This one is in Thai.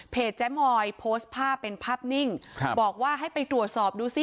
เจ๊มอยโพสต์ภาพเป็นภาพนิ่งครับบอกว่าให้ไปตรวจสอบดูสิ